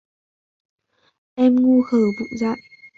Em ngu khờ vụng dại